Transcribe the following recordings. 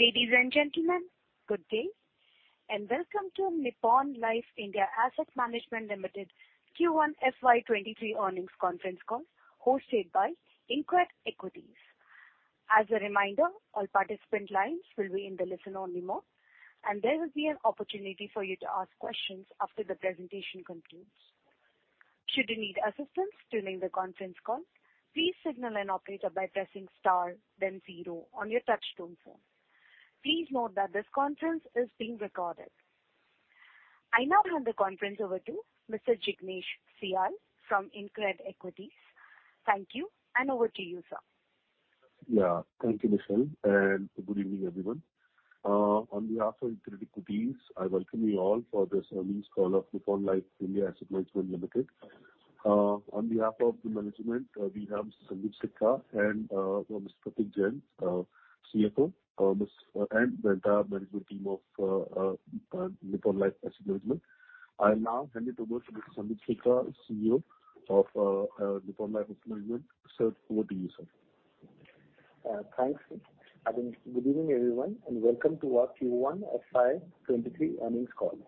Ladies and gentlemen, good day and welcome to Nippon Life India Asset Management Limited Q1 FY 2023 earnings conference call hosted by InCred Equities. As a reminder, all participant lines will be in the listen only mode, and there will be an opportunity for you to ask questions after the presentation concludes. Should you need assistance during the conference call, please signal an operator by pressing star then zero on your touchtone phone. Please note that this conference is being recorded. I now hand the conference over to Mr. Jignesh Shial from InCred Equities. Thank you and over to you, sir. Yeah, thank you, Michelle, and good evening, everyone. On behalf of InCred Equities, I welcome you all for this earnings call of Nippon Life India Asset Management Limited. On behalf of the management, we have Mr. Sundeep Sikka and Mr. Prateek Jain, our CFO, and the entire management team of Nippon Life India Asset Management. I now hand it over to Mr. Sundeep Sikka, CEO of Nippon Life India Asset Management. Sir, over to you, sir. Thanks. Good evening, everyone, and welcome to our Q1 FY 2023 earnings call.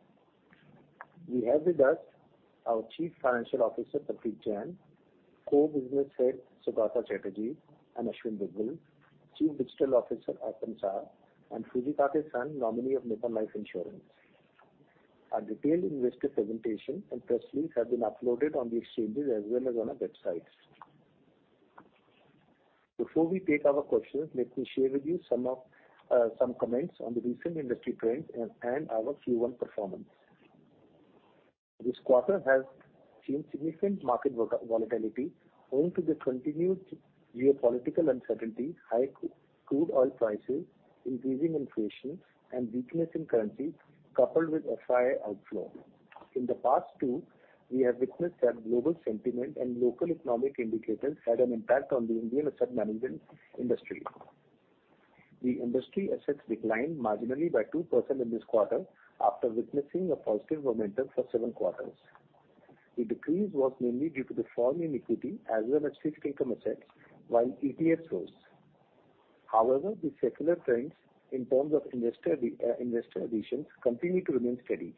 We have with us our Chief Financial Officer, Prateek Jain, Co-Chief Business Officers, Saugata Chatterjee and Aashwin Dugal, Chief Digital Officer, Arpanarghya Saha and Shin Matsui, nominee of Nippon Life Insurance Company. Our detailed investor presentation and press release have been uploaded on the exchanges as well as on our websites. Before we take our questions, let me share with you some comments on the recent industry trends and our Q1 performance. This quarter has seen significant market volatility owing to the continued geopolitical uncertainty, high crude oil prices, increasing inflation and weakness in currency, coupled with FII outflows. In the past, too, we have witnessed that global sentiment and local economic indicators had an impact on the Indian asset management industry. The industry assets declined marginally by 2% in this quarter after witnessing a positive momentum for seven quarters. The decrease was mainly due to the fall in equity as well as fixed income assets while ETF rose. However, the secular trends in terms of investor additions continue to remain steady.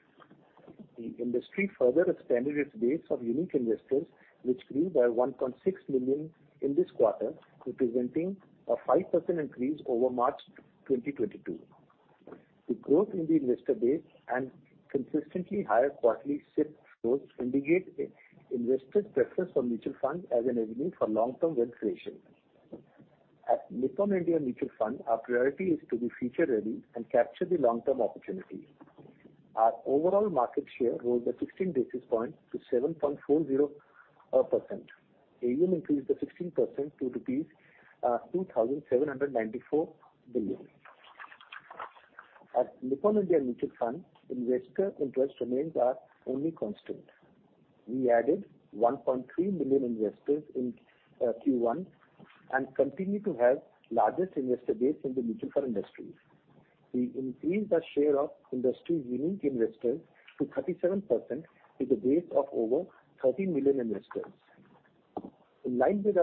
The industry further expanded its base of unique investors, which grew by 1.6 million in this quarter, representing a 5% increase over March 2022. The growth in the investor base and consistently higher quarterly SIP flows indicate an investor preference for mutual funds as an avenue for long-term wealth creation. At Nippon India Mutual Fund, our priority is to be future ready and capture the long-term opportunities. Our overall market share rose by 16 basis points to 7.40%. AUM increased by 16% to INR 2,794 billion. At Nippon India Mutual Fund, investor interest remains our only constant. We added 1.3 million investors in Q1 and continue to have largest investor base in the mutual fund industry. We increased our share of industry unique investors to 37% with a base of over 30 million investors. In line with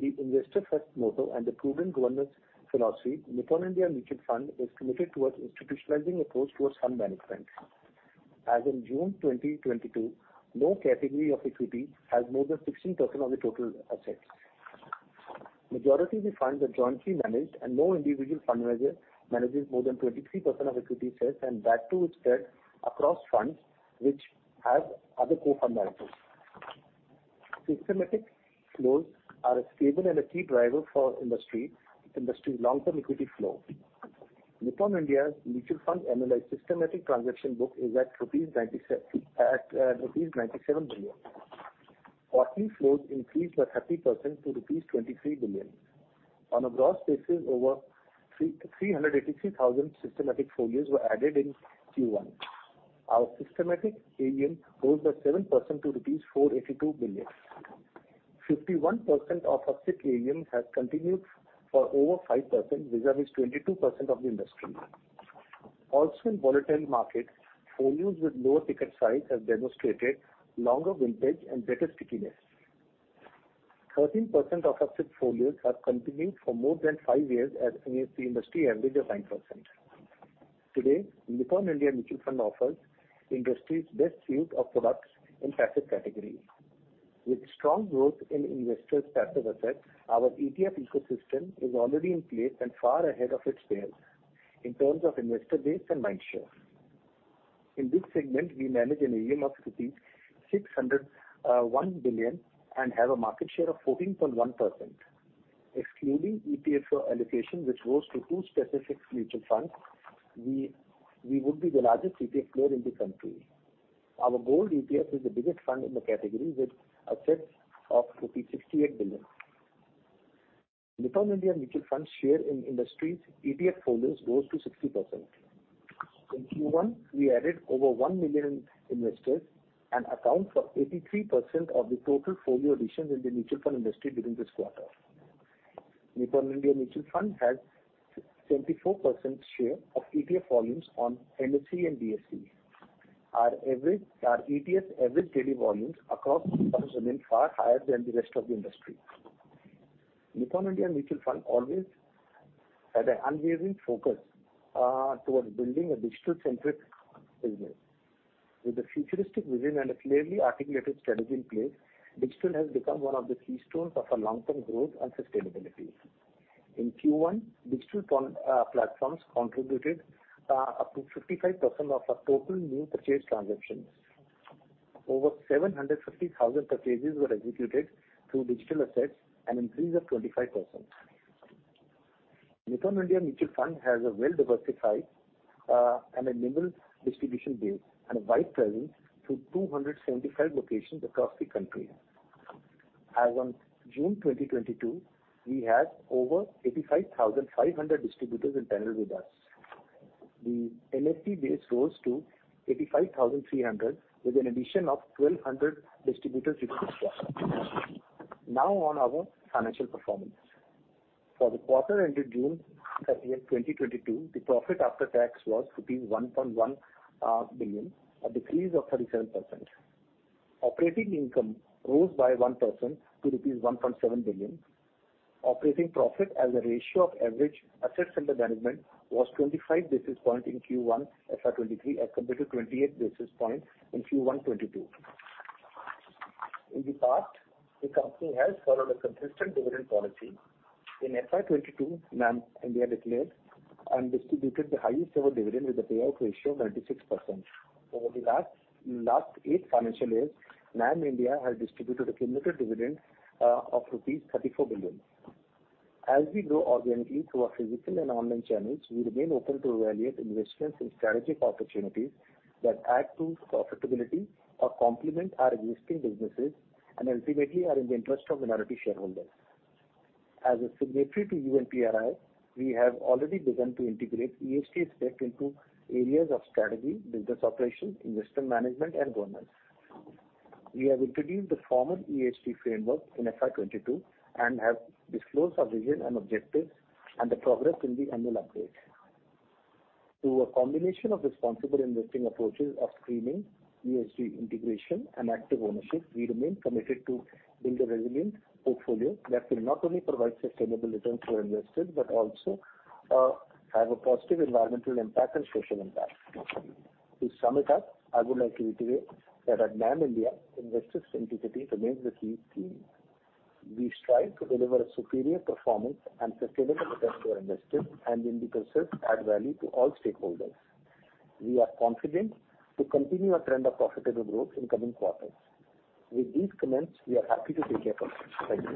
the investor first motto and the proven governance philosophy, Nippon India Mutual Fund is committed towards institutionalizing approach towards fund management. As in June 2022, no category of equity has more than 16% of the total assets. Majority of the funds are jointly managed and no individual fund manager manages more than 23% of equity sales and that too is spread across funds which have other co-fund managers. Systematic flows are a stable and a key driver for industry long-term equity flow. Nippon India Mutual Fund annual systematic transaction book is at rupees 97 billion. Quarterly flows increased by 30% to rupees 23 billion. On a gross basis over 383,000 systematic folios were added in Q1. Our systematic AUM rose by 7% to rupees 482 billion. 51% of our SIP AUM has continued for over five years vis-a-vis 22% of the industry. In volatile market, folios with lower ticket size have demonstrated longer vintage and better stickiness. 13% of our SIP folios have continued for more than five years versus the industry average of 9%. Today, Nippon India Mutual Fund offers industry's best suite of products in passive category. With strong growth in investors' passive assets, our ETF ecosystem is already in place and far ahead of its peers in terms of investor base and mind share. In this segment, we manage an AUM of rupees 601 billion and have a market share of 14.1%. Excluding ETF allocation, which goes to two specific mutual funds, we would be the largest ETF player in the country. Our gold ETF is the biggest fund in the category with assets of rupees 68 billion. Nippon India Mutual Fund share in industry's ETF folios rose to 60%. In Q1, we added over 1 million investors and account for 83% of the total folio additions in the mutual fund industry during this quarter. Nippon India Mutual Fund has 74% share of ETF folios on NSE and BSE. Our ETF average daily volumes across funds remain far higher than the rest of the industry. Nippon India Mutual Fund always had an unwavering focus towards building a digital-centric business. With a futuristic vision and a clearly articulated strategy in place, digital has become one of the keystones of our long-term growth and sustainability. In Q1, digital platforms contributed up to 55% of our total new purchase transactions. Over 750,000 purchases were executed through digital assets, an increase of 25%. Nippon India Mutual Fund has a well-diversified and a minimal distribution base, and a wide presence through 275 locations across the country. As on June 2022, we had over 85,500 distributors in panel with us. The NFP base rose to 85,300 with an addition of 1,200 distributors this quarter. Now, on our financial performance. For the quarter ended June 30, 2022, the profit after tax was rupees 1.1 billion, a decrease of 37%. Operating income rose by 1% to rupees 1.7 billion. Operating profit as a ratio of average assets under management was 25 basis points in Q1 FY 2023, as compared to 28 basis points in Q1 FY 2022. In the past, the company has followed a consistent dividend policy. In FY 2022, NAM India declared and distributed the highest ever dividend with a payout ratio of 96%. Over the last eight financial years, NAM India has distributed a cumulative dividend of rupees 34 billion. As we grow organically through our physical and online channels, we remain open to evaluate investments in strategic opportunities that add to profitability or complement our existing businesses and ultimately are in the interest of minority shareholders. As a signatory to UN-PRI, we have already begun to integrate ESG aspect into areas of strategy, business operations, investment management and governance. We have introduced a formal ESG framework in FY 2022 and have disclosed our vision and objectives and the progress in the annual update. Through a combination of responsible investing approaches of screening, ESG integration, and active ownership, we remain committed to build a resilient portfolio that will not only provide sustainable returns for investors, but also have a positive environmental impact and social impact. To sum it up, I would like to reiterate that at NAM India, investor centricity remains the key theme. We strive to deliver a superior performance and sustainable returns to our investors and in the process add value to all stakeholders. We are confident to continue our trend of profitable growth in coming quarters. With these comments, we are happy to take your questions. Thank you.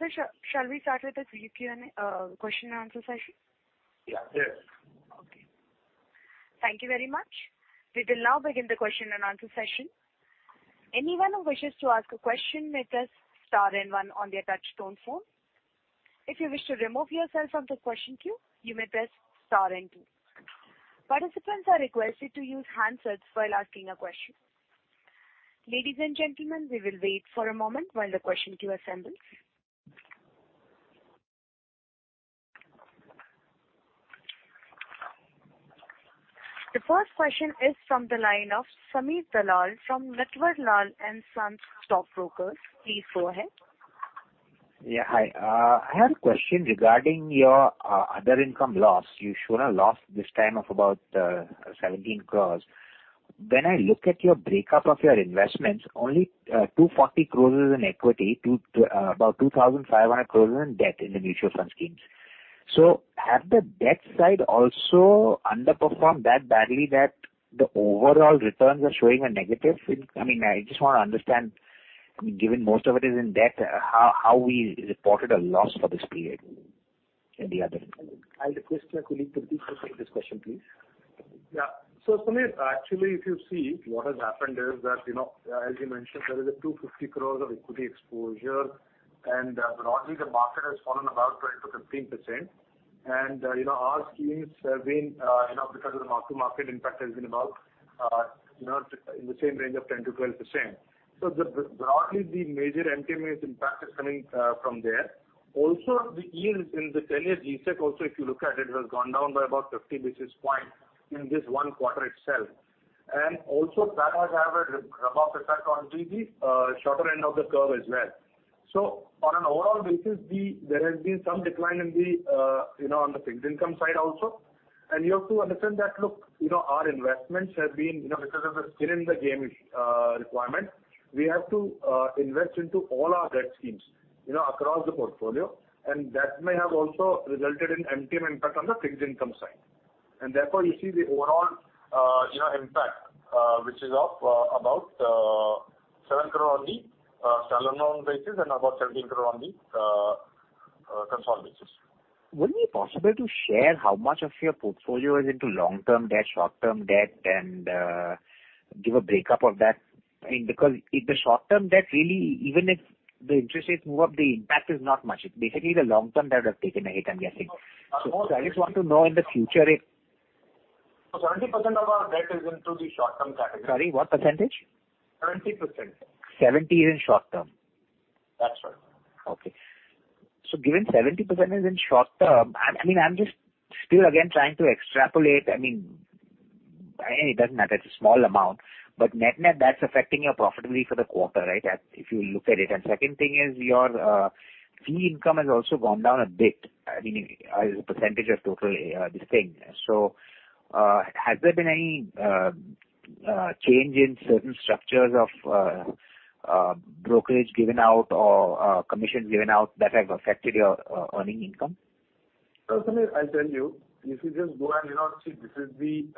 Sir, shall we start with the Q&A, question and answer session? Yeah. Yes. Okay. Thank you very much. We will now begin the question and answer session. Anyone who wishes to ask a question may press star and one on their touch tone phone. If you wish to remove yourself from the question queue, you may press star and two. Participants are requested to use handsets while asking a question. Ladies and gentlemen, we will wait for a moment while the question queue assembles. The first question is from the line of Sameer Dalal from Natvarlal & Sons Stockbrokers. Please go ahead. Yeah. Hi. I had a question regarding your other income loss. You showed a loss this time of about 17 crore. When I look at your breakdown of your investments, only 240 crore is in equity, about 2,500 crore in debt in the mutual fund schemes. Have the debt side also underperformed that badly that the overall returns are showing a negative? I mean, I just want to understand, I mean, given most of it is in debt, how we reported a loss for this period in the other income. I'll request my colleague, Prateek Jain, to take this question, please. Yeah. Sameer, actually, if you see what has happened is that, you know, as you mentioned, there is 250 crores of equity exposure and broadly the market has fallen about 10%-15%. Our schemes have been, you know, because of the mark-to-market impact has been about, you know, in the same range of 10%-12%. Broadly the major MTM impact is coming from there. Also, the yields in the 10-year G-Sec, if you look at it, has gone down by about 50 basis points in this one quarter itself. Also Paras have a rub-off effect on G-Sec shorter end of the curve as well. On an overall basis there has been some decline in the, you know, on the fixed income side also. You have to understand that, look, you know, our investments have been, you know, because of the skin in the game requirement, we have to invest into all our debt schemes, you know, across the portfolio. That may have also resulted in MTM impact on the fixed income side. Therefore you see the overall, you know, impact, which is of about 7 crore on the standalone basis and about 17 crore on the consolidated basis. Would it be possible to share how much of your portfolio is into long-term debt, short-term debt and, give a break-up of that? I mean, because if the short-term debt really, even if the interest rates move up, the impact is not much. It's basically the long-term debt have taken a hit, I'm guessing. I just want to know in the future if- 70% of our debt is in the short-term category. Sorry, what percentage? 70%. 70% is in short term. That's right. Okay. Given 70% is in short term, I mean, I'm just still again trying to extrapolate. I mean, it doesn't matter, it's a small amount, but net-net, that's affecting your profitability for the quarter, right? If you look at it. Second thing is your fee income has also gone down a bit. I mean, as a percentage of total this thing. Has there been any change in certain structures of brokerage given out or commissions given out that have affected your earning income? Sameer, I'll tell you. If you just go and, you know, see, this is the,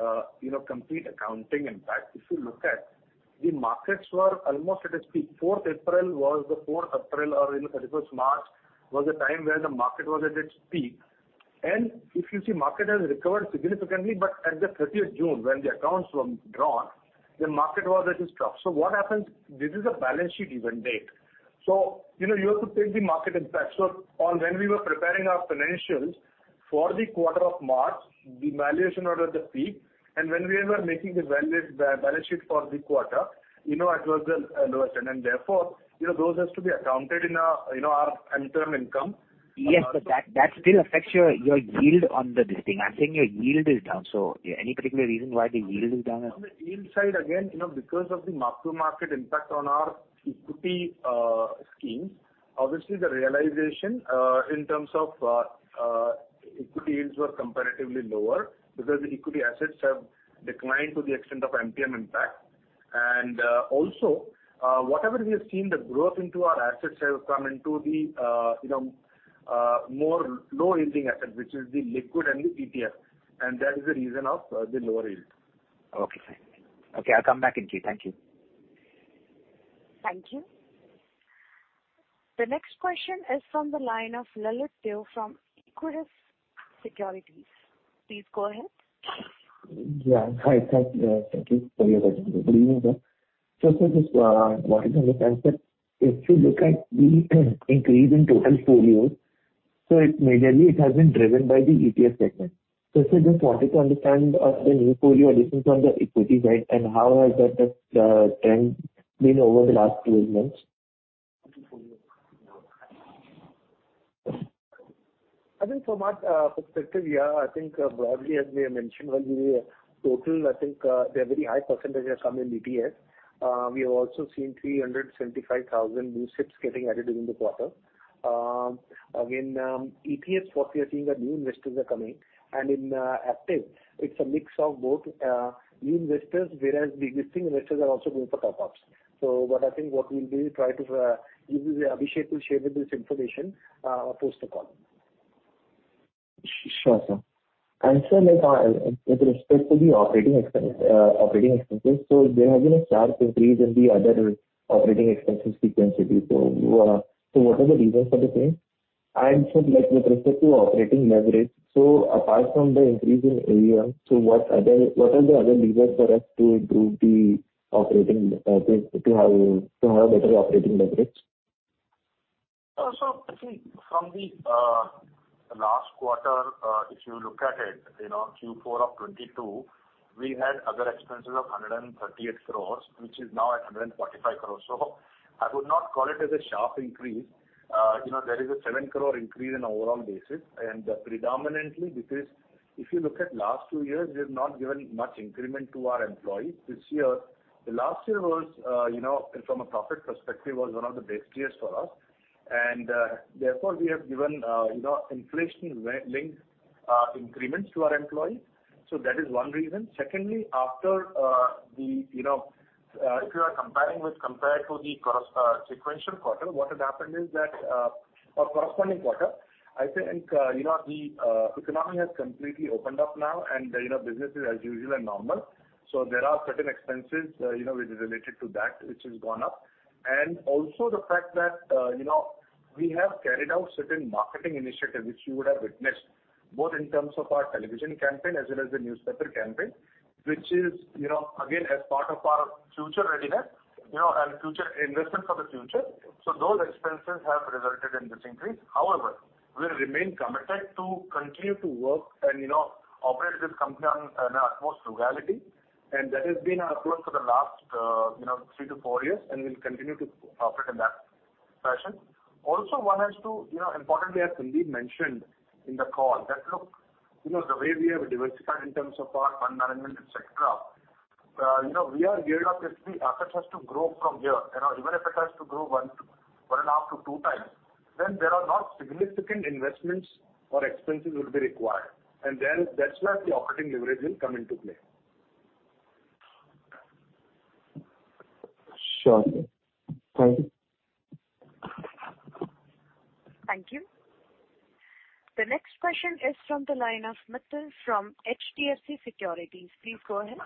you know, complete accounting impact. If you look at, the markets were almost at its peak. 4th April or if it was March, was the time where the market was at its peak. If you see market has recovered significantly, but at the 30th June when the accounts were drawn, the market was at its trough. What happens, this is a balance sheet event date. You know, you have to take the market impact. When we were preparing our financials for the quarter of March, the valuation was at the peak and when we were making the valuation date balance sheet for the quarter, you know, it was the lower trend, and therefore you know those has to be accounted in, you know, our MTM income. Yes. That still affects your yield on this thing. I'm saying your yield is down. Any particular reason why the yield is down? On the yield side, again, you know, because of the market impact on our equity schemes, obviously the realization in terms of equity yields were comparatively lower because the equity assets have declined to the extent of MTM impact. Also, whatever we have seen the growth into our assets have come into the you know more low-yielding assets, which is the liquid and the ETF, and that is the reason of the lower yield. Okay, fine. Okay, I'll come back in queue. Thank you. Thank you. The next question is from the line of Lalit Deo from Equirus Securities. Please go ahead. Yeah. Hi. Thank you for your. Sir, just wanted to understand, sir, if you look at the increase in total folios. It's majorly it has been driven by the ETF segment. Sir, just wanted to understand the new folio additions on the equity side and how has that trend been over the last 12 months? I think from our perspective, yeah, I think broadly as we have mentioned earlier, total I think, the very high percentage has come in ETF. We have also seen 375,000 new SIPs getting added during the quarter. Again, ETF what we are seeing are new investors are coming and in active it's a mix of both, new investors, whereas the existing investors are also going for top ups. What I think we'll do is try to usually Abhishek will share with this information post the call. Sure, sir. Sir, like, with respect to operating expenses, there has been a sharp increase in the other operating expenses sequentially. What are the reasons for the same? Sir, like with respect to operating leverage, apart from the increase in AUM, what are the other levers for us to improve the operating to have a better operating leverage? I think from the last quarter, if you look at it, you know, Q4 of 2022, we had other expenses of 138 crore, which is now at 145 crore. I would not call it as a sharp increase. You know, there is a 7 crore increase in overall basis, and predominantly because if you look at last two years, we have not given much increment to our employees. This year. Last year was, you know, from a profit perspective, one of the best years for us. Therefore we have given, you know, inflation-linked increments to our employees. That is one reason. Secondly, after the, you know, if you are comparing compared to the sequential quarter, what has happened is that, or corresponding quarter, I think, you know, the economy has completely opened up now and, you know, business is as usual and normal. There are certain expenses, you know, which is related to that, which has gone up. Also the fact that, you know, we have carried out certain marketing initiatives which you would have witnessed, both in terms of our television campaign as well as the newspaper campaign, which is, you know, again, as part of our future readiness, you know, and future investment for the future. Those expenses have resulted in this increase. However, we remain committed to continue to work and, you know, operate this company on utmost frugality, and that has been our approach for the last you know, three to four years, and we'll continue to operate in that fashion. Also one has to, you know, importantly, as Sundeep mentioned in the call that look, you know, the way we have diversified in terms of our fund management, et cetera you know, we are geared up if the assets has to grow from here. You know, even if it has to grow one to, one and half to two times, then there are no significant investments or expenses will be required. That's where the operating leverage will come into play. Sure. Thank you. Thank you. The next question is from the line of Mittal from HDFC Securities. Please go ahead.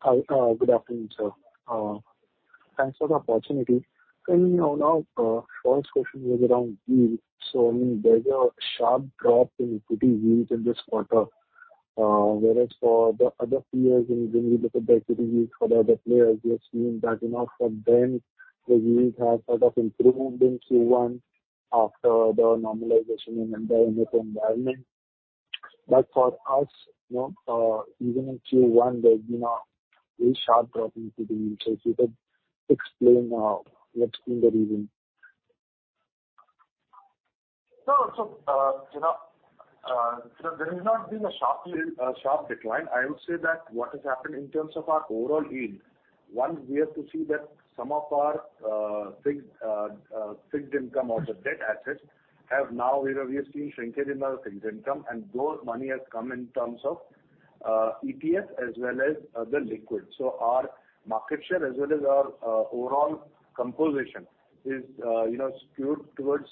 Hi. Good afternoon, sir. Thanks for the opportunity. Sir, you know, now, first question is around yield. I mean, there is a sharp drop in equity yields in this quarter. Whereas for the other peers, when you look at the equity yield for the other players, we have seen that, you know, for them, the yield has sort of improved in Q1 after the normalization in the macro environment. For us, you know, even in Q1, there's been a very sharp drop in the yields. If you could explain, what's been the reason? No. You know, there has not been a sharp decline. I would say that what has happened in terms of our overall yield, one, we have to see that some of our fixed income or the debt assets have now, you know, we have seen shrinkage in our fixed income, and those money has come in terms of ETF as well as the liquid. Our market share as well as our overall composition is, you know, skewed towards.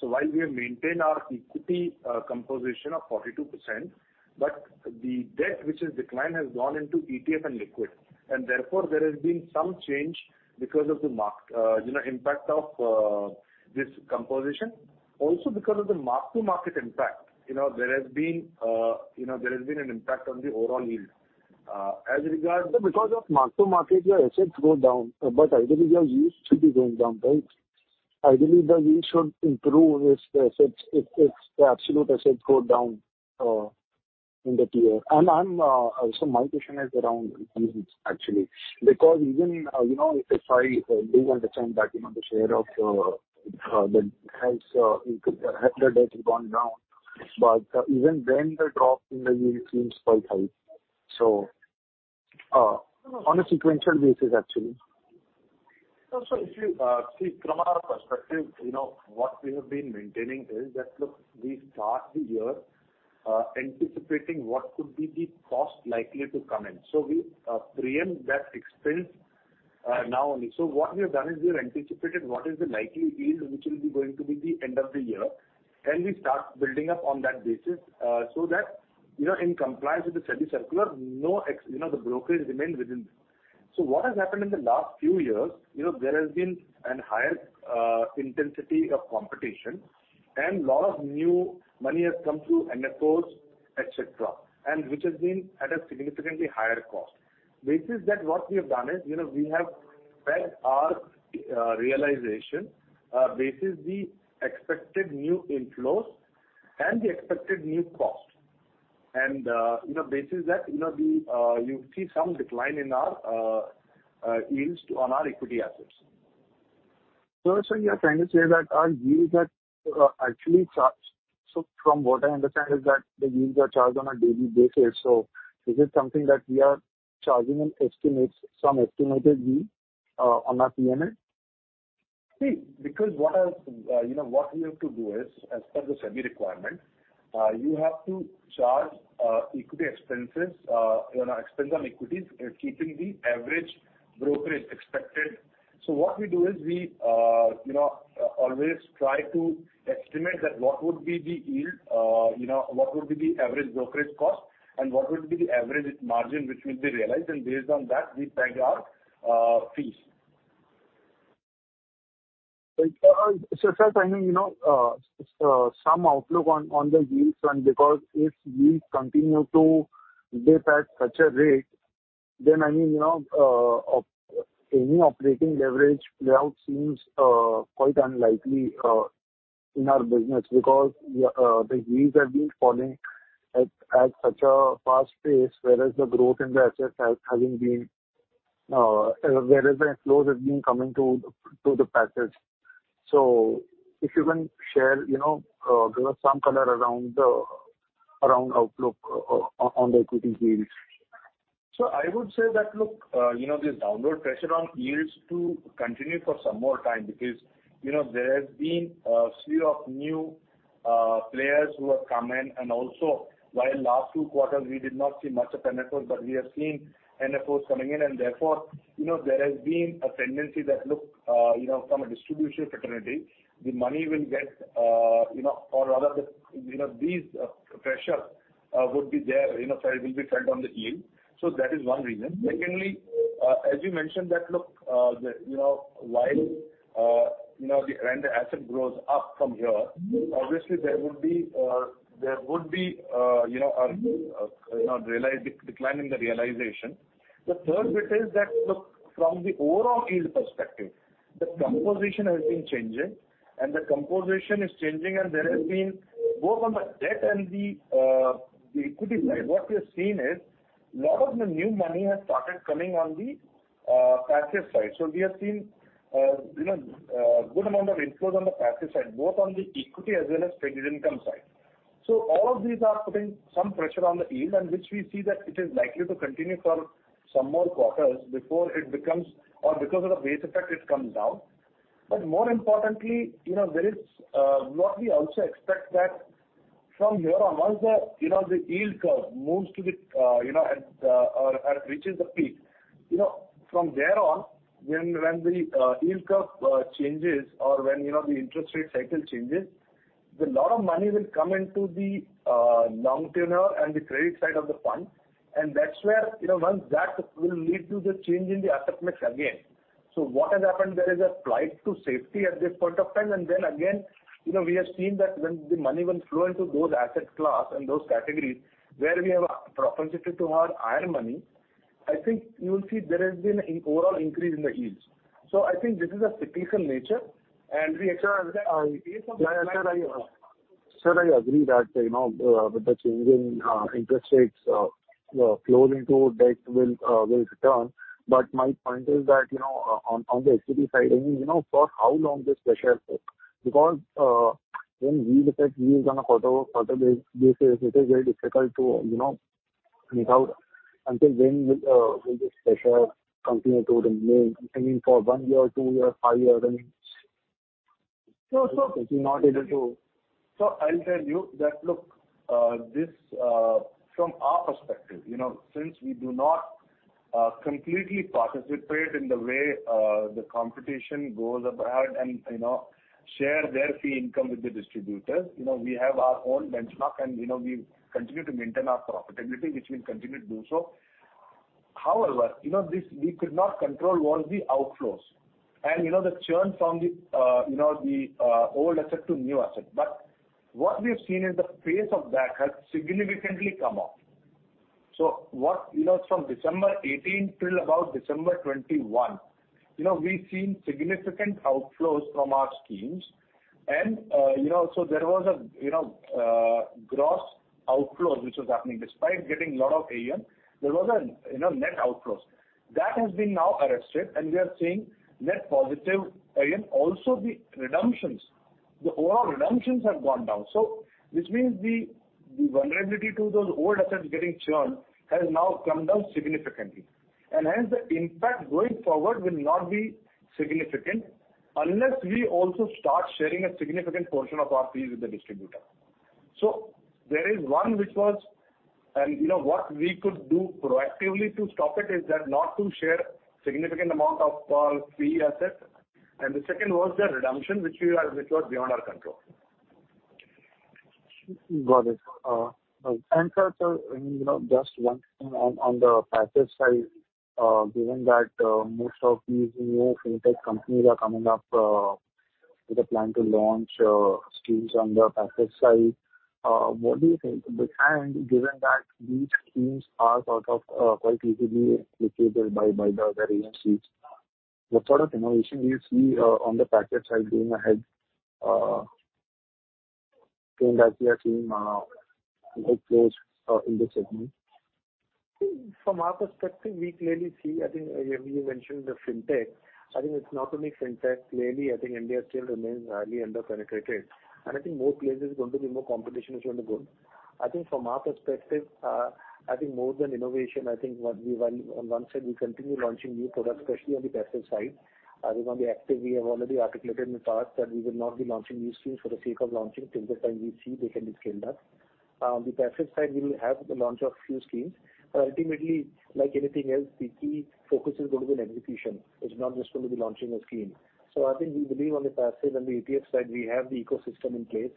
While we have maintained our equity composition of 42%, but the debt which has declined has gone into ETF and liquid. Therefore, there has been some change because of the impact of this composition. Because of the mark-to-market impact, you know, there has been an impact on the overall yield. Because of mark-to-market, your assets go down, but ideally your yields should be going down, right? Ideally, the yield should improve if the absolute assets go down in the year. My question is around yields actually. Because even, you know, if I do understand that, you know, the share of debt has gone down, but even then the drop in the yield seems quite high. On a sequential basis actually. No. If you see from our perspective, you know, what we have been maintaining is that, look, we start the year anticipating what could be the cost likely to come in. We pre-empt that expense now only. What we have done is we have anticipated what is the likely yield which will be going to be the end of the year, and we start building up on that basis, so that, you know, in compliance with the SEBI circular, no excess, you know, the brokerage remains within. What has happened in the last few years, you know, there has been a higher intensity of competition and a lot of new money has come through NFOs, et cetera, and which has been at a significantly higher cost. Based on that, what we have done is, you know, we have pegged our realization based on the expected new inflows and the expected new cost. You know, based on that, you know, we see some decline in our yields on our equity assets. You are trying to say that our yields are actually charged. From what I understand is that the yields are charged on a daily basis, so this is something that we are charging an estimate, some estimated yield, on our P&L? See, because what we have to do is, as per the SEBI requirement, you have to charge equity expenses, you know, expense on equities keeping the average brokerage expected. What we do is we, you know, always try to estimate what would be the yield, you know, what would be the average brokerage cost and what would be the average margin which will be realized, and based on that, we peg our fees. Sir, can you know, some outlook on the yields front? Because if yields continue to dip at such a rate, then, I mean, you know, any operating leverage playout seems quite unlikely in our business. Because the yields have been falling at such a fast pace, whereas the growth in the assets hasn't been, whereas the inflows have been coming to the passive. If you can share, you know, give us some color around the outlook on the equity yields. I would say that, look, you know, this downward pressure on yields to continue for some more time, because, you know, there has been a slew of new players who have come in. Also, while last two quarters we did not see much of NFOs, but we have seen NFOs coming in. Therefore, you know, there has been a tendency that, look, you know, from a distribution fraternity, the money will get, you know, or rather the, you know, these pressure would be there, you know, so it will be felt on the yield. That is one reason. Secondly, as you mentioned that, look, the, you know, while, you know, the asset grows up from here, obviously there would be, you know, decline in the realization. The third bit is that, look, from the overall yield perspective, the composition has been changing. The composition is changing, and there has been both on the debt and the equity side. What we have seen is lot of the new money has started coming on the passive side. We have seen, you know, good amount of inflows on the passive side, both on the equity as well as fixed income side. All of these are putting some pressure on the yield, and which we see that it is likely to continue for some more quarters before it becomes or because of the base effect it comes down. More importantly, you know, there is what we also expect that from here on, once the, you know, the yield curve moves to the or reaches the peak, you know, from there on, when the yield curve changes or when, you know, the interest rate cycle changes, a lot of money will come into the long tenure and the credit side of the fund. That's where, you know, once that will lead to the change in the asset mix again. What has happened there is a flight to safety at this point of time. We have seen that when the money will flow into those asset class and those categories where we have a propensity to have higher money, I think you will see there has been an overall increase in the yields. I think this is a cyclical nature. Yeah, sir, I agree that, you know, with the change in interest rates, flowing to debt will return. My point is that, you know, on the equity side, I mean, you know, for how long this pressure is. Because when we look at yields on a quarter basis, it is very difficult to know until when will this pressure continue to remain. I mean, for one year or two years, five years, I mean not able to I'll tell you that look, this from our perspective, you know, since we do not completely participate in the way the competition goes ahead and, you know, share their fee income with the distributors. You know, we have our own benchmark and, you know, we continue to maintain our profitability, which we'll continue to do so. However, you know, this we could not control was the outflows and, you know, the churn from the old asset to new asset. But what we've seen is the pace of that has significantly come up. What, you know, from December 18 till about December 21, you know, we've seen significant outflows from our schemes. You know, there was gross outflows which was happening despite getting lot of AUM. There was, you know, net outflows. That has been now arrested, and we are seeing net positive AUM. Also, the overall redemptions have gone down. This means the vulnerability to those old assets getting churned has now come down significantly. Hence, the impact going forward will not be significant unless we also start sharing a significant portion of our fees with the distributor. There is one which was, you know, what we could do proactively to stop it is that not to share significant amount of fee assets. The second was the redemption, which was beyond our control. Got it. Sir, you know, just one thing on the passive side, given that most of these new fintech companies are coming up with a plan to launch schemes on the passive side, what do you think? Given that these schemes are sort of quite easily applicable by the other AMCs, what sort of innovation do you see on the passive side going ahead, given that we are seeing outflows in this segment? From our perspective, we clearly see. I think you mentioned the fintech. I think it's not only fintech. Clearly, I think India still remains highly underpenetrated, and I think more players is going to be more competition, which is going to be good. I think from our perspective, I think more than innovation, I think what we want on one side, we continue launching new products, especially on the passive side. On the active, we have already articulated in the past that we will not be launching new schemes for the sake of launching till the time we see they can be scaled up. On the passive side, we will have the launch of few schemes, but ultimately, like anything else, the key focus is going to be on execution. It's not just going to be launching a scheme. I think we believe on the passive and the ETF side, we have the ecosystem in place.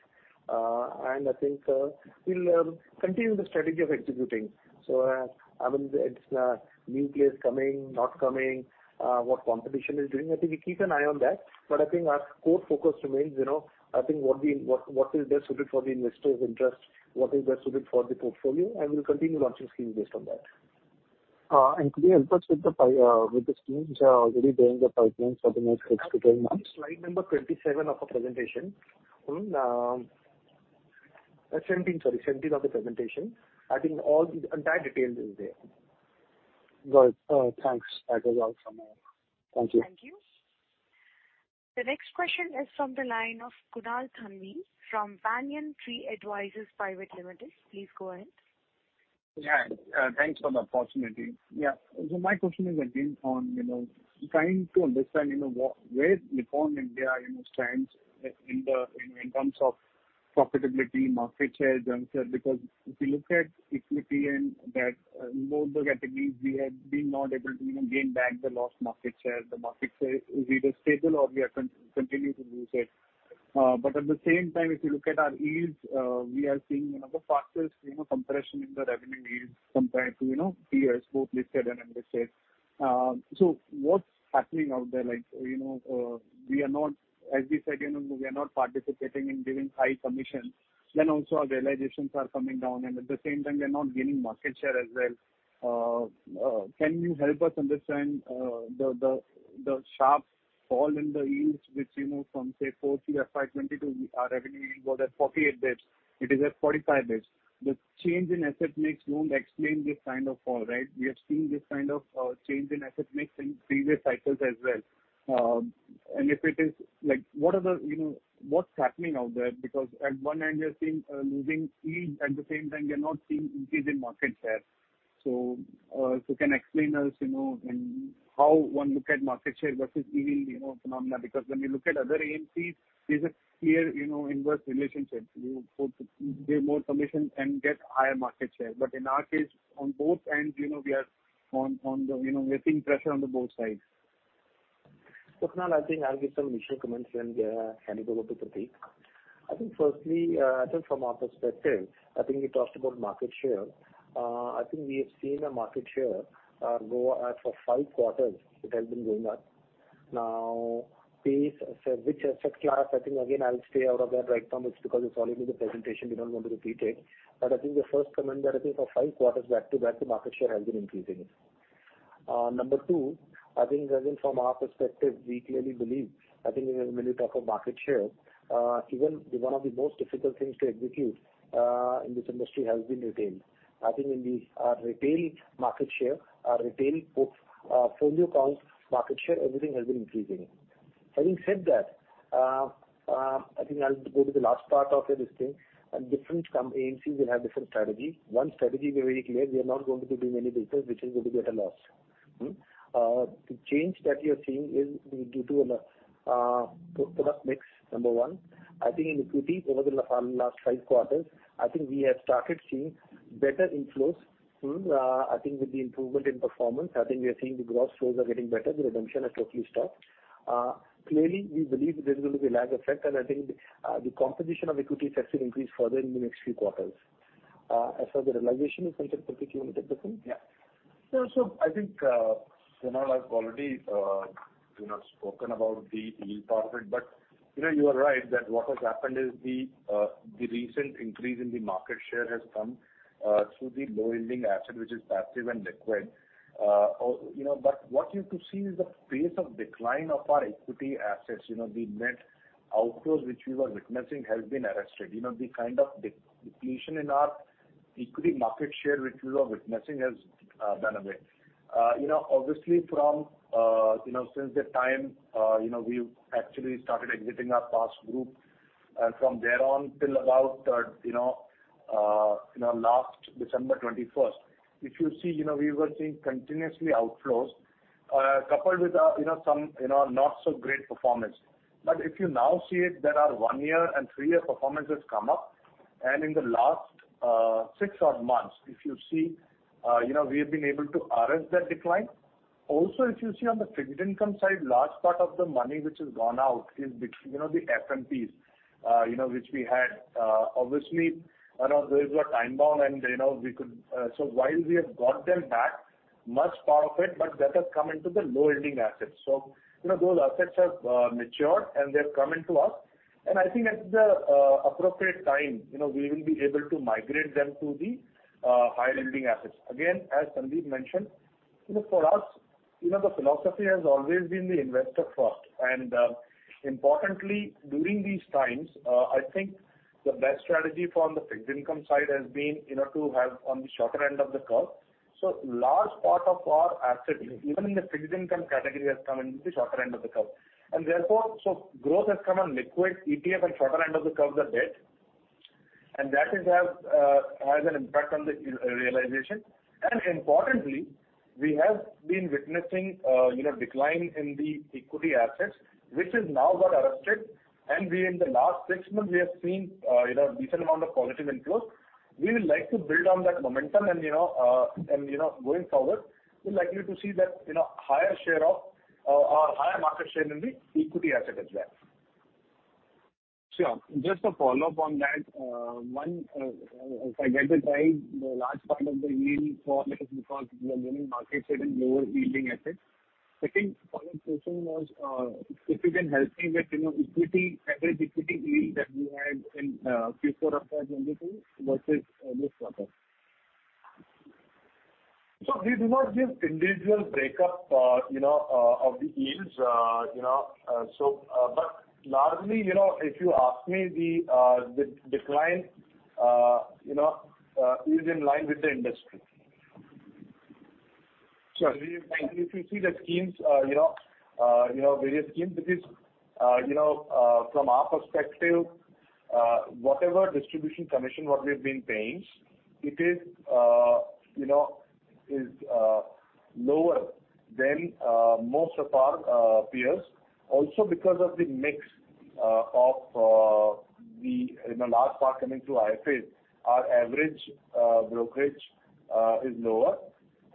I think we'll continue the strategy of executing. I mean, it's new players coming, what competition is doing. I think we keep an eye on that. I think our core focus remains, you know, I think what is best suited for the investors' interest, what is best suited for the portfolio, and we'll continue launching schemes based on that. Could you help us with the schemes already there in the pipeline for the next 6-12 months? Slide number 17 of our presentation. Sorry, 17 of the presentation. I think all the entire detail is there. Got it. Thanks. That was all from my end. Thank you. Thank you. The next question is from the line of Kunal Thanvi from Banyan Tree Advisors Private Limited. Please go ahead. Yeah. Thanks for the opportunity. Yeah. My question is again on, you know, trying to understand, you know, where Nippon India, you know, stands in the, you know, in terms of profitability, market share, because if you look at equity and debt, both the categories, we have been not able to, you know, gain back the lost market share. The market share is either stable or we continue to lose it. At the same time, if you look at our yields, we are seeing, you know, the fastest, you know, compression in the revenue yields compared to, you know, peers, both listed and unlisted. What's happening out there? Like, you know, we are not as we said, you know, we are not participating in giving high commission. Also our realizations are coming down and at the same time we are not gaining market share as well. Can you help us understand the sharp fall in the yields which, you know, from say 40 or 520 to our revenue yield was at 48 basis points. It is at 45 basis points. The change in asset mix won't explain this kind of fall, right? We have seen this kind of change in asset mix in previous cycles as well. If it is like what are the, you know, what's happening out there? Because at one end, we are seeing losing yield. At the same time, we are not seeing increase in market share. If you can explain to us, you know, and how one look at market share versus yield, you know, phenomena, because when we look at other AMCs, there's a clear, you know, inverse relationship. You give more commission and get higher market share. In our case, on both ends, you know, we are seeing pressure on both sides. Kunal, I think I'll give some initial comments and then it will go to Prateek. I think firstly, I think from our perspective, I think we talked about market share. I think we have seen a market share grow for five quarters it has been going up. Now pace, so which asset class, I think again, I'll stay out of that right now just because it's already in the presentation, we don't want to repeat it. I think the first comment there, I think for five quarters back to back, the market share has been increasing. Number two, I think again, from our perspective, we clearly believe, I think when you talk of market share, even one of the most difficult things to execute in this industry has been retained. I think our retail market share, our retail portfolio accounts market share, everything has been increasing. Having said that, I think I'll go to the last part of it, this thing, and different from AMCs will have different strategy. One strategy we're very clear, we are not going to do any business which is going to be at a loss. The change that you're seeing is due to a product mix, number one. I think in equity over the last five quarters, I think we have started seeing better inflows. I think with the improvement in performance, I think we are seeing the gross flows are getting better. The redemption has totally stopped. Clearly we believe there's going to be lag effect and I think the composition of equity is actually increased further in the next few quarters. As for the realization is something completely different? I think, Kunal, has already, you know, spoken about the yield profile. You know, you are right that what has happened is the recent increase in the market share has come through the low-yielding asset which is passive and liquid. You know, what you could see is the pace of decline of our equity assets. You know, the net outflows which we were witnessing has been arrested. You know, the kind of depletion in our equity market share which we were witnessing has gone away. You know, obviously from you know since the time you know we actually started exiting our past group from there on till about you know you know last December 21st, if you see, you know, we were seeing continuous outflows coupled with you know some you know not so great performance. If you now see it, there are one-year and three-year performances come up and in the last six-odd months, if you see, you know, we have been able to arrest that decline. Also, if you see on the fixed income side, large part of the money which has gone out is the FMPs, you know, which we had. Obviously, you know, those were time-bound and, you know, we could. While we have got them back, much part of it, but that has come into the low-yielding assets. You know, those assets have matured and they've come into us and I think at the appropriate time, you know, we will be able to migrate them to the high-yielding assets. Again, as Sundeep Sikka mentioned, you know, for us, you know, the philosophy has always been the investor first. Importantly during these times, I think the best strategy from the fixed income side has been, you know, to have on the shorter end of the curve. Large part of our asset, even in the fixed income category, has come into the shorter end of the curve. Therefore, growth has come on liquid ETF and shorter end of the curves are dead and that has an impact on the realization. Importantly, we have been witnessing, you know, decline in the equity assets which has now got arrested and we in the last six months have seen, you know, decent amount of positive inflows. We would like to build on that momentum and you know, and you know, going forward we're likely to see that, you know, higher share of, our higher market share in the equity asset as well. Sure. Just a follow-up on that. One, if I get it right, the large part of the yield fall is because we are winning market share in lower yielding assets. Second follow-up question was, if you can help me with, you know, equity, average equity yield that you had in Q4 of 2022 versus this quarter. We do not give individual breakup, you know, of the yields. You know, largely, you know, if you ask me the decline, you know, is in line with the industry. Sure. Thank you. If you see the schemes, you know, various schemes because, you know, from our perspective, whatever distribution commission what we've been paying it is, you know, is lower than most of our peers also because of the mix of the, you know, large part coming through IFAs. Our average brokerage is lower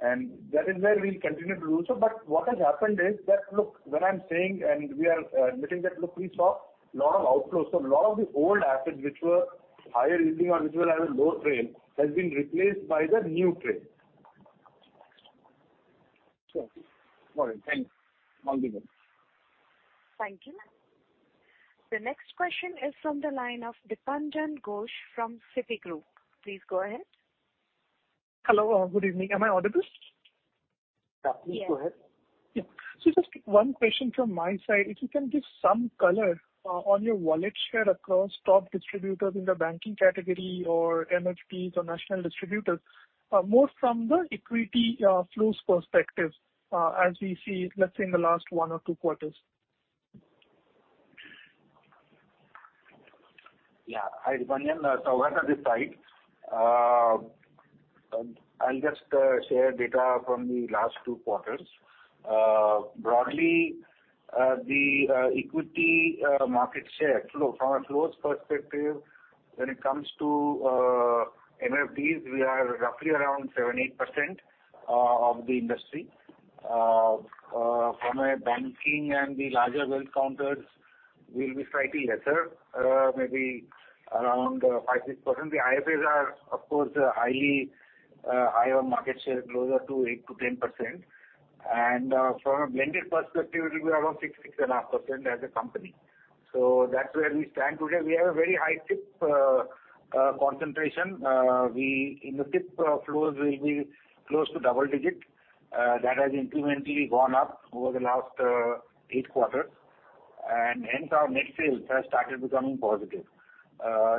and that is where we'll continue to lose. What has happened is that, look, when I'm saying and we are admitting that look, we saw lot of outflows. A lot of the old assets which were higher yielding or which will have a lower trail has been replaced by the new trail. Sure. All right, thank you. Welcome. Thank you. The next question is from the line of Dipanjan Ghosh from Citigroup. Please go ahead. Hello. Good evening. Am I audible? Yeah. Please go ahead. Yeah. Just one question from my side. If you can give some color on your wallet share across top distributors in the banking category or MFPs or national distributors, more from the equity flows perspective, as we see, let's say in the last one or two quarters. Yeah. Hi, Dipanjan Ghosh. What are the types? I'll just share data from the last two quarters. Broadly, the equity market share flow from a flows perspective. When it comes to MFDs, we are roughly around 7%-8% of the industry. From banking and the larger wealth managers will be slightly lesser, maybe around 5%-6%. The IFAs are of course higher market share, closer to 8%-10%. From a blended perspective, it will be around 6%-6.5% as a company. So that's where we stand today. We have a very high SIP concentration in the SIP flows will be close to double digit, that has incrementally gone up over the last eight quarters. Our net sales has started becoming positive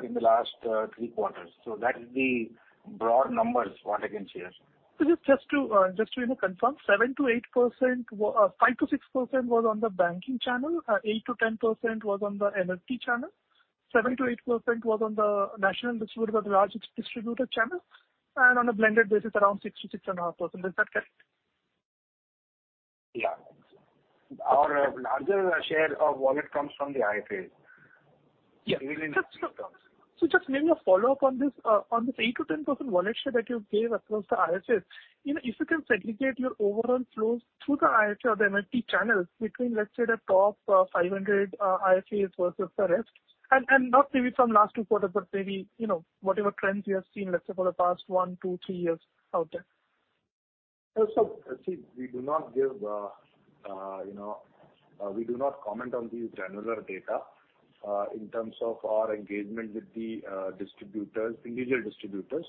in the last three quarters. That is the broad numbers what I can share. Just to, you know, confirm 7%-8%, 5%-6% was on the banking channel, 8%-10% was on the MFD channel, 7%-8% was on the national distributor, large distributor channel, and on a blended basis, around 6%-6.5%. Is that correct? Yeah. Our larger share of wallet comes from the IFAs. Yeah. Just maybe a follow-up on this. On this 8%-10% wallet share that you gave across the IFAs, you know, if you can segregate your overall flows through the IFA or the MFD channels between, let's say, the top 500 IFAs versus the rest. Not maybe from last two quarters, but maybe, you know, whatever trends you have seen, let's say, for the past one, two, three years out there. We do not comment on these granular data in terms of our engagement with the distributors, individual distributors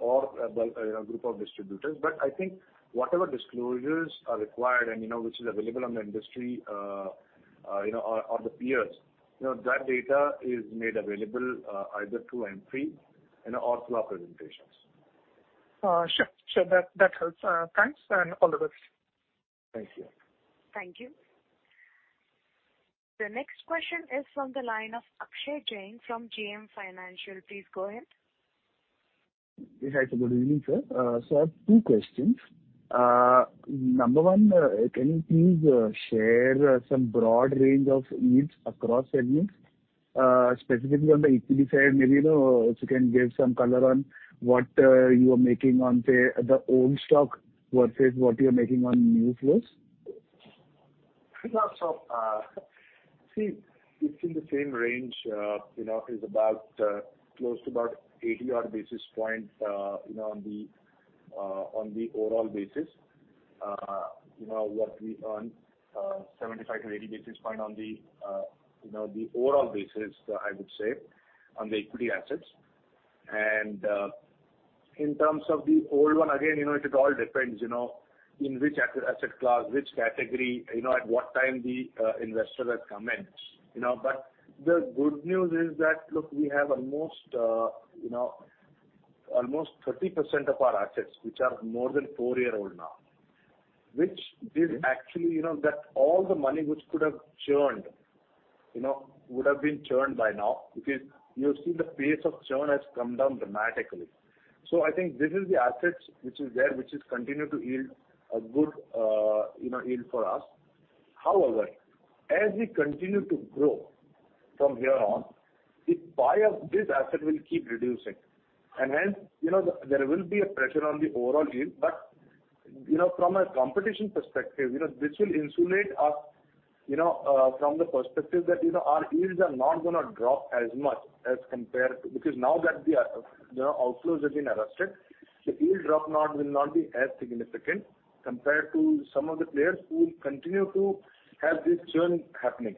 or you know group of distributors. I think whatever disclosures are required and you know which is available on the industry you know or the peers you know that data is made available either through MP you know or through our presentations. Sure. That helps. Thanks and all the best. Thank you. Thank you. The next question is from the line of Akshay Jain from JM Financial. Please go ahead. Yes. Good evening, sir. I have two questions. Number one, can you please share some broad range of yields across segments, specifically on the equity side? Maybe, you know, if you can give some color on what you are making on, say, the old stock versus what you're making on new flows. See, it's in the same range, you know, is about close to about 80 odd basis points, you know, on the overall basis, you know what we earn, 75-80 basis points on the, you know, the overall basis, I would say, on the equity assets. In terms of the old one, again, you know, it all depends, you know, in which asset class, which category, you know, at what time the investor has come in, you know. The good news is that, look, we have almost, you know, almost 30% of our assets, which are more than four year old now, which is actually, you know, that all the money which could have churned, you know, would have been churned by now because you see the pace of churn has come down dramatically. I think this is the assets which is there, which is continue to yield a good, you know, yield for us. However, as we continue to grow from here on, the buy of this asset will keep reducing and hence, you know, there will be a pressure on the overall yield. From a competition perspective, you know this will insulate us, you know, from the perspective that, you know, our yields are not gonna drop as much as compared to Because now that the, you know, outflows have been arrested, the yield drop will not be as significant compared to some of the players who will continue to have this churn happening.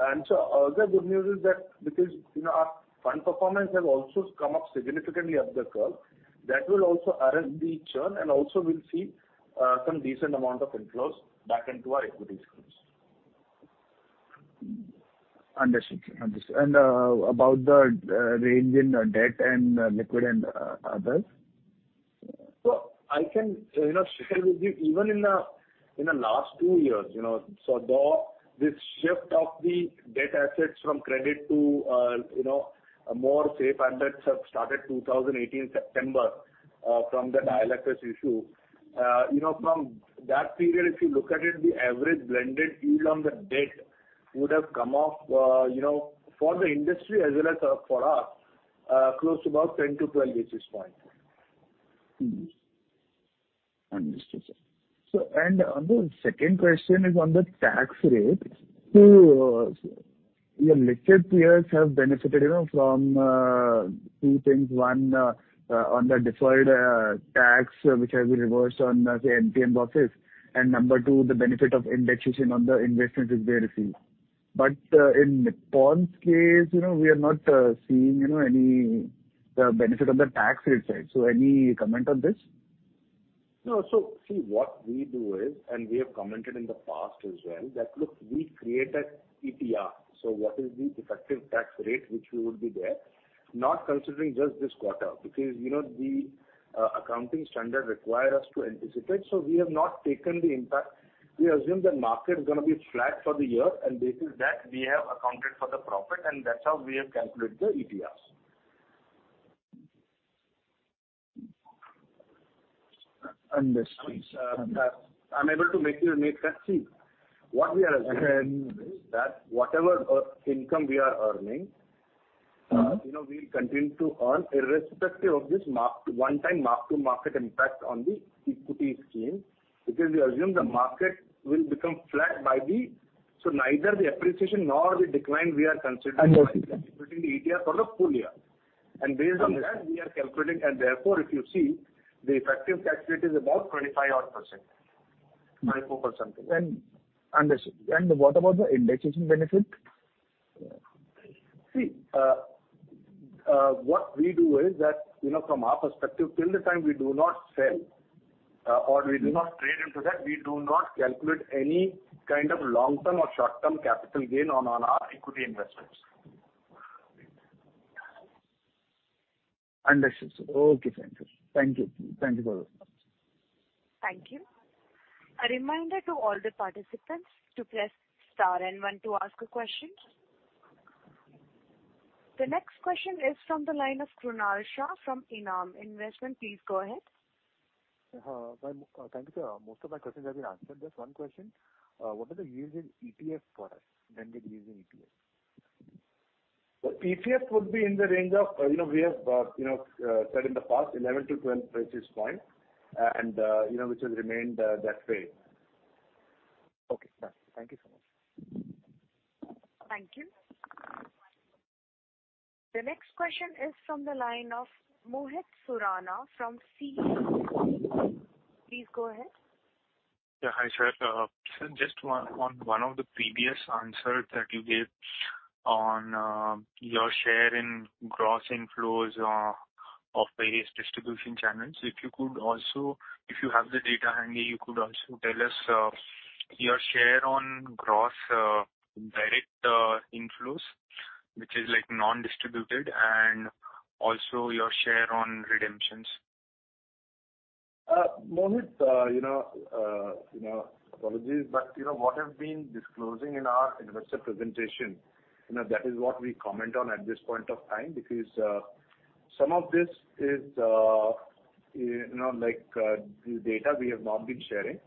Other good news is that because, you know, our fund performance has also come up significantly up the curve, that will also arrest the churn and also we'll see some decent amount of inflows back into our equity schemes. Understood. About the range in debt and liquid and others? I can, you know, share with you even in the last two years, you know. Though this shift of the debt assets from credit to, you know, more safe and that started September 2018, from the IL&FS issue. You know, from that period if you look at it, the average blended yield on the debt would have come off, you know, for the industry as well as, for us, close to about 10-12 basis points. Understood, sir. The second question is on the tax rate. Your listed peers have benefited, you know, from two things. One, on the deferred tax which has been reversed on, say, MPN boxes, and number two, the benefit of indexation on the investments which they receive. In Nippon's case, you know, we are not seeing, you know, any benefit on the tax rate side. Any comment on this? No. See, what we do is, and we have commented in the past as well that look, we create that ETR. What is the effective tax rate which we would be there not considering just this quarter because you know the, accounting standard require us to anticipate. We have not taken the impact. We assume the market gonna be flat for the year and based on that we have accounted for the profit and that's how we have calculated the ETR. Understood. I'm able to make you meet that. See, what we are assuming is that whatever earned income we are earning, you know, we'll continue to earn irrespective of this one-time mark-to-market impact on the equity scheme. Because we assume the market will become flat by the. Neither the appreciation nor the decline we are considering. Okay. While calculating the ETF for the full year. Based on that, we are calculating. Therefore, if you see, the effective tax rate is about 25 odd %, 24%. Understood. What about the indexation benefit? See, what we do is that, you know, from our perspective, till the time we do not sell or we do not trade into that, we do not calculate any kind of long-term or short-term capital gain on our equity investments. Understood. Okay, thank you. Thank you. Thank you for that. Thank you. A reminder to all the participants to press star and one to ask a question. The next question is from the line of Krunal Shah from ENAM Investment. Please go ahead. Thank you, sir. Most of my questions have been answered. There's one question. What are the yields in ETF products and the yields in ETF? ETF would be in the range of, you know, we have, you know, said in the past 11-12 basis points, and, you know, which will remain that way. Okay, thank you so much. Thank you. The next question is from the line of Mohit Surana from CLSA. Please go ahead. Yeah, hi, sir. Just one of the previous answers that you gave on your share in gross inflows of various distribution channels. If you could also, if you have the data handy, you could also tell us your share on gross direct inflows, which is like non-distributed, and also your share on redemptions. Mohit, you know, apologies, but you know, what I've been disclosing in our investor presentation, you know, that is what we comment on at this point of time, because some of this is, you know, like, data we have not been sharing.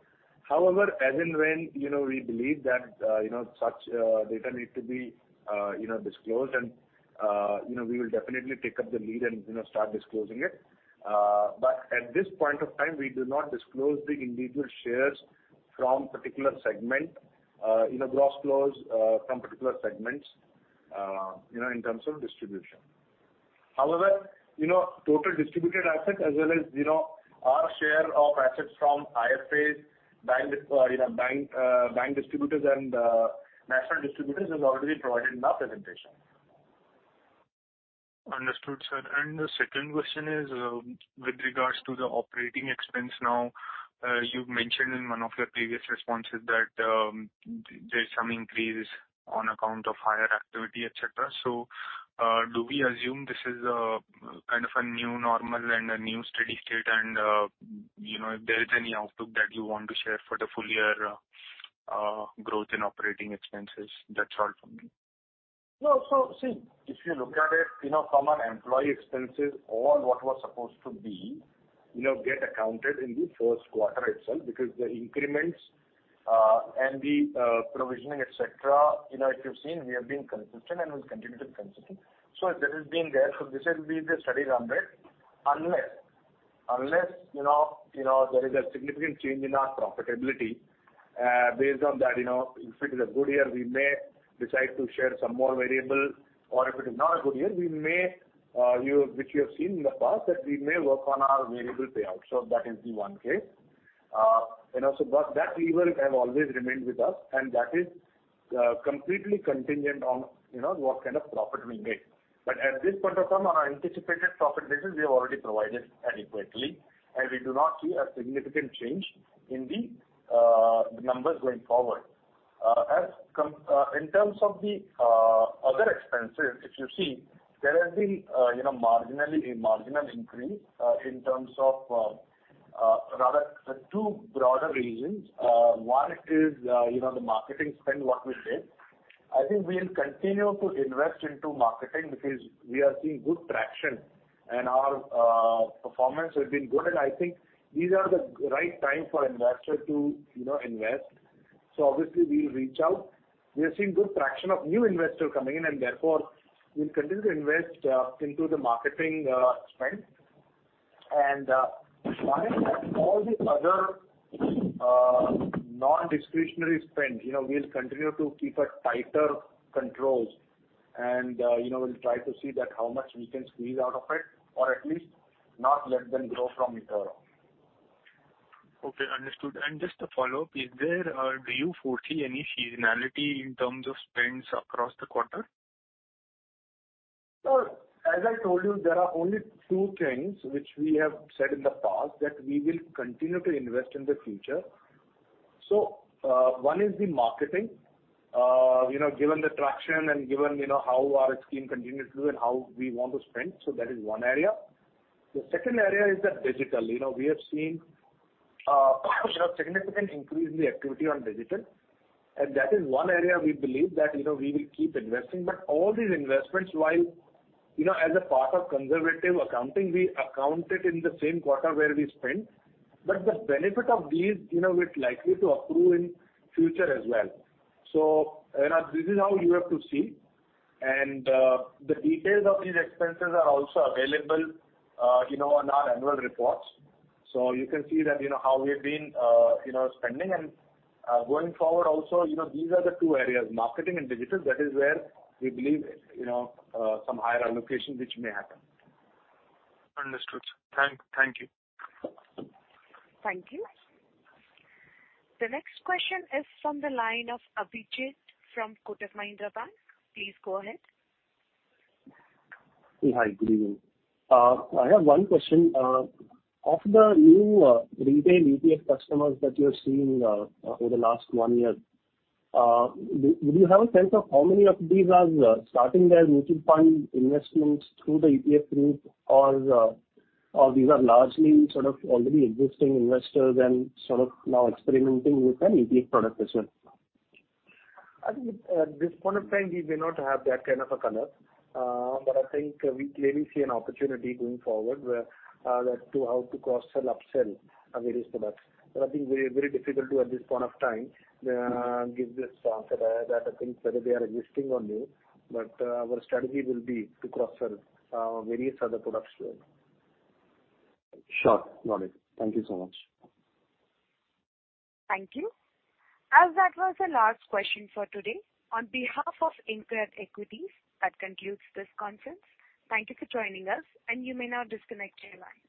However, as and when, you know, we believe that, you know, such data need to be, you know, disclosed and, you know, we will definitely take up the lead and, you know, start disclosing it. But at this point of time, we do not disclose the individual shares from particular segment, you know, gross flows from particular segments, you know, in terms of distribution. However, you know, total distributed assets, as well as, you know, our share of assets from IFAs, bank distributors and national distributors is already provided in our presentation. Understood, sir. The second question is, with regards to the operating expense now, you've mentioned in one of your previous responses that, there's some increase on account of higher activity, et cetera. Do we assume this is, kind of a new normal and a new steady state and, you know, if there is any outlook that you want to share for the full year, growth in operating expenses? That's all from me. No. See, if you look at it, you know, from an employee expenses, all what was supposed to be, you know, get accounted in the first quarter itself, because the increments, and the provisioning, et cetera, you know, if you've seen, we have been consistent and we'll continue to be consistent. That has been there. This will be the steady runway. Unless, you know, there is a significant change in our profitability, based on that, you know, if it is a good year, we may decide to share some more variable. Or if it is not a good year, we may, you know, which you have seen in the past, that we may work on our variable payouts. That is the one case. You know, that lever have always remained with us, and that is completely contingent on, you know, what kind of profit we make. At this point of time on our anticipated profit basis, we have already provided adequately, and we do not see a significant change in the numbers going forward. In terms of the other expenses, if you see, there has been you know, marginally, a marginal increase in terms of rather two broader reasons. One is you know, the marketing spend what we did. I think we'll continue to invest into marketing because we are seeing good traction and our performance has been good. I think these are the right time for investor to you know, invest. Obviously we'll reach out. We are seeing good traction of new investor coming in, and therefore we'll continue to invest into the marketing spend. Besides that all the other non-discretionary spend, you know, we'll continue to keep a tighter controls and, you know, we'll try to see that how much we can squeeze out of it or at least not let them grow from year over. Okay, understood. Just a follow-up. Is there, do you foresee any seasonality in terms of spends across the quarter? As I told you, there are only two things which we have said in the past that we will continue to invest in the future. One is the marketing. You know, given the traction and given, you know, how our scheme continues to do and how we want to spend. That is one area. The second area is the digital. You know, we have seen, you know, significant increase in the activity on digital, and that is one area we believe that, you know, we will keep investing. But all these investments, while, you know, as a part of conservative accounting, we account it in the same quarter where we spend. But the benefit of these, you know, it's likely to accrue in future as well. You know, this is how you have to see. The details of these expenses are also available, you know, on our annual reports. You can see that, you know, how we've been, you know, spending and, going forward also, you know, these are the two areas, marketing and digital, that is where we believe, you know, some higher allocation which may happen. Understood. Thank you. Thank you. The next question is from the line of Abhijit from Kotak Mahindra Bank. Please go ahead. Hi, good evening. I have one question. Of the new retail ETF customers that you're seeing over the last one year, do you have a sense of how many of these are starting their mutual fund investments through the ETF route? Or these are largely sort of already existing investors and sort of now experimenting with an ETF product as well? I think at this point of time, we may not have that kind of a color. I think we clearly see an opportunity going forward where, as to how to cross-sell, up-sell our various products. I think very, very difficult to at this point of time, give this answer that I think whether they are existing or new. Our strategy will be to cross-sell, various other products to them. Sure. Got it. Thank you so much. Thank you. As that was the last question for today, on behalf of InCred Equities, that concludes this conference. Thank you for joining us, and you may now disconnect your lines.